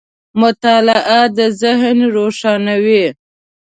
• مطالعه د ذهن روښانوي.